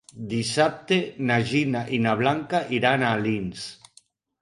Dissabte na Gina i na Blanca iran a Alins.